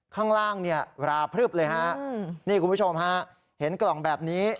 ข้างล่างเนี่ยราพลึบเลยฮะนี่คุณผู้ชมฮะเห็นกล่องแบบนี้